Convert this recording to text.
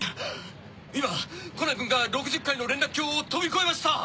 今コナンくんが６０階の連絡橋を飛び越えました！